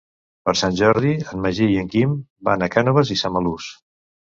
Per Sant Jordi en Magí i en Quim van a Cànoves i Samalús.